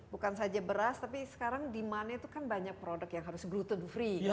bukan saja beras tapi sekarang demandnya itu kan banyak produk yang harus gruton free